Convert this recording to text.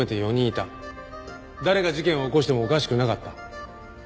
誰が事件を起こしてもおかしくなかった。